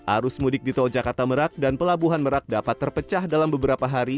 arus mudik di tol jakarta merak dan pelabuhan merak dapat terpecah dalam beberapa hari